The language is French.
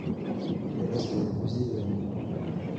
Il reste le musée de la mine.